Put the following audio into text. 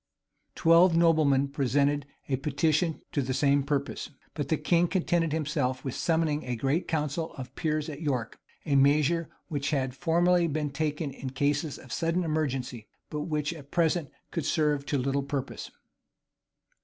[] Twelve noblemen presented a petition to the same purpose.[] But the king contented himself with summoning a great council of the peers at York; a measure which had formerly been taken in cases of sudden emergency, but which at present could serve to little purpose.